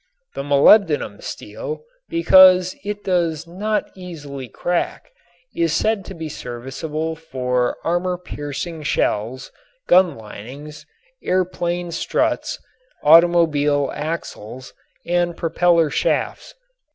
The molybdenum steel, because it does not easily crack, is said to be serviceable for armor piercing shells, gun linings, air plane struts, automobile axles and propeller shafts.